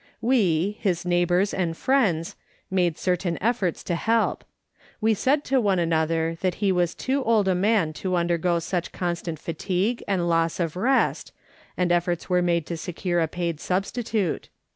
We, his neighbours and friends, made certain ef forts to help. We said to one another that he was too old a man to undergo such constant fatigue and loss of rest, and efforts were made to secure a paid substitute.